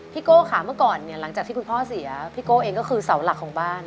โก้ค่ะเมื่อก่อนเนี่ยหลังจากที่คุณพ่อเสียพี่โก้เองก็คือเสาหลักของบ้าน